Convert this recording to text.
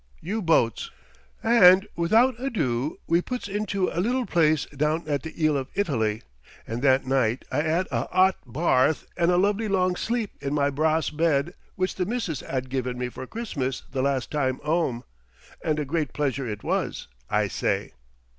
U BOATS.' "And without ado we puts into a little place down at the 'eel of Italy, and that night I 'ad a 'ot barth an' a lovely long sleep in my brahss bed which the missus 'ad given me for Christmas the last time 'ome. And a great pleasure it was, I say.